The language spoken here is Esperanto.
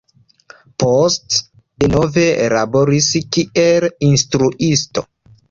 Poste, denove laboris kiel instruisto.